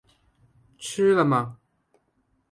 吃了吗